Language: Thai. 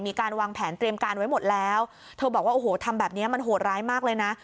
มีการวางแผนเตรียมการไว้หมดแล้วเธอบอกว่าโอ้โหทำแบบนี้มันโหดร้ายมากเลยนะ